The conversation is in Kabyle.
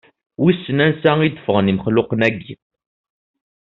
Wissen ansa i d-ffɣen imexluqen-aki?